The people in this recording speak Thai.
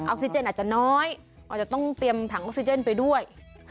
ซิเจนอาจจะน้อยอาจจะต้องเตรียมถังออกซิเจนไปด้วย